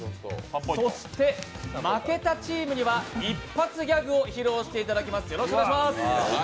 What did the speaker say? そして負けたチームには一発ギャグを披露していただきます。